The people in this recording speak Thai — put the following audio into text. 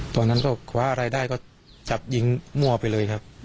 ตอนนั้นก็คว้าอะไรได้ก็จับยิงมั่วไปเลยครับ